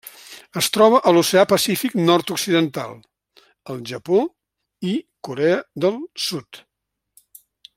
Es troba a l'Oceà Pacífic nord-occidental: el Japó i Corea del Sud.